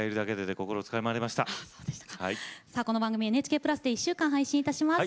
この番組、ＮＨＫプラスで１週間配信します。